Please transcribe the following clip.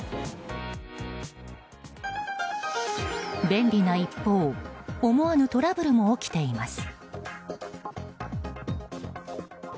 便利な一方思わぬトラブルも起きています。